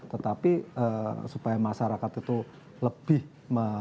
tetapi supaya masyarakat itu lebih